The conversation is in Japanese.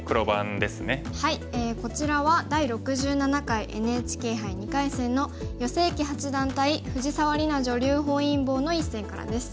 こちらは第６７回ＮＨＫ杯２回戦の余正麒八段対藤沢里菜女流本因坊の一戦からです。